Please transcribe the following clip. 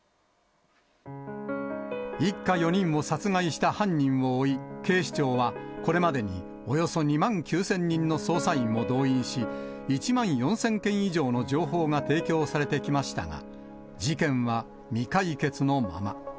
一家４人を殺害した犯人を追い、警視庁はこれまでに、およそ２万９０００人の捜査員を動員し、１万４０００件以上の情報が提供されてきましたが、事件は未解決のまま。